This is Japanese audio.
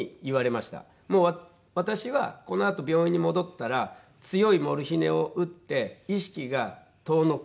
「もう私はこのあと病院に戻ったら強いモルヒネを打って意識が遠のく」